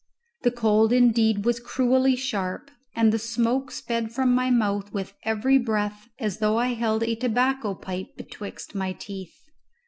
The cold indeed was cruelly sharp, and the smoke sped from my mouth with every breath as though I held a tobacco pipe betwixt my teeth.